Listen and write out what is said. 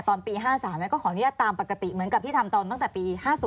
ตอนปี๕๓ก็ขออนุญาตตามปกติเหมือนกับที่ทำตอนตั้งแต่ปี๕๐